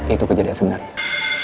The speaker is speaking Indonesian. itu kejadian sebenarnya